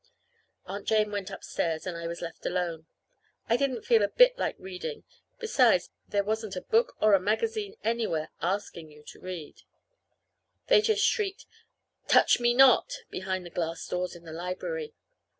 Aunt Jane went upstairs, and I was left alone. I didn't feel a bit like reading; besides, there wasn't a book or a magazine anywhere asking you to read. They just shrieked, "Touch me not!" behind the glass doors in the library.